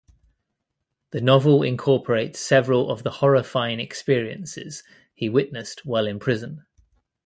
The novel incorporates several of the horrifying experiences he witnessed while in prison.